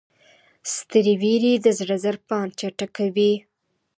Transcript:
سترې وېرې د زړه ضربان چټکوي.